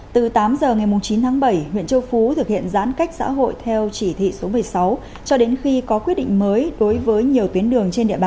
từ tám giờ ngày chín tháng bảy huyện châu phú thực hiện giãn cách xã hội theo chỉ thị số một mươi sáu cho đến khi có quyết định mới đối với nhiều tuyến đường trên địa bàn